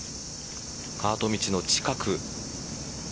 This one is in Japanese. カート道の近く。